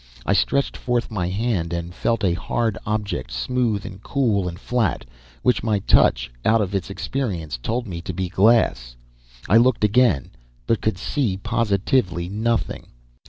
I stretched forth my hand and felt a hard object, smooth and cool and flat, which my touch, out of its experience, told me to be glass. I looked again, but could see positively nothing.